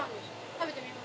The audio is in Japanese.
食べてみます？